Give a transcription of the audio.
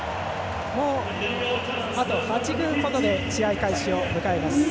もうあと８分程で試合開始を迎えます。